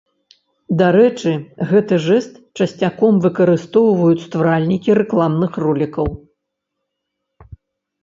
Дарэчы, гэты жэст часцяком выкарыстоўваюць стваральнікі рэкламных ролікаў.